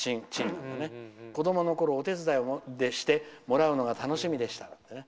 子どものころ、お手伝いでしてもらうのが楽しみでした。